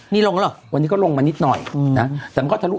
นี่ลงแล้วเหรอวันนี้ก็ลงมานิดหน่อยนะแต่มันก็ทะลุ